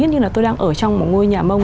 như là tôi đang ở trong một ngôi nhà mông